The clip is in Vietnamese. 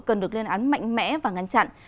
cần được lên án mạnh mẽ và ngăn chặn